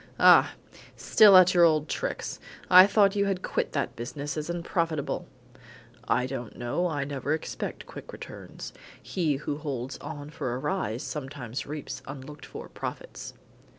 "Ah! still at your old tricks! I thought you had quit that business as unprofitable." "I don't know. I never expect quick returns. He who holds on for a rise sometimes reaps unlooked for profits."